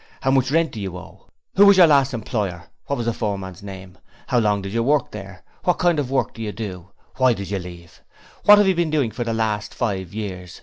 'How much rent do you owe?' 'Who was your last employer? What was the foreman's name? How long did you work there? What kind of work did you do? Why did you leave?' 'What have you been doing for the last five years?